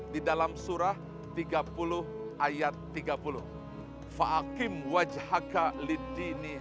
di dalam surah tiga puluh ayat tiga puluh